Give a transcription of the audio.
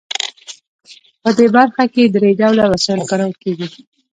په دې برخه کې درې ډوله وسایل کارول کیږي.